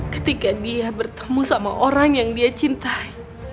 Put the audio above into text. ketika dia bertemu sama orang yang dia cintai